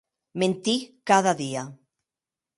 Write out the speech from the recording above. Mentir cada dia!